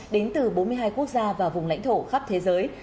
đến từ bốn mươi hai quốc gia và vùng lãnh thổ khắp thế giới